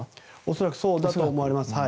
恐らくそうだと思われます。